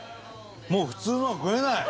もう普通のは食えない！